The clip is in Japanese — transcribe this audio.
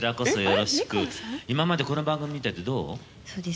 今までこの番組見ててどう？